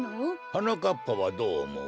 はなかっぱはどうおもう？